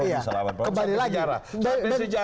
iya kembali lagi